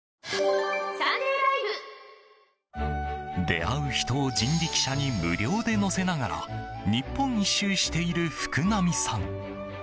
出会う人を人力車に無料で乗せながら日本一周している福浪さん。